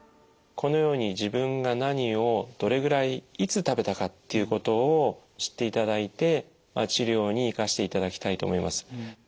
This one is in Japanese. このように自分が何をどれぐらいいつ食べたかっていうことを知っていただいて治療に生かしていただきたいと思います。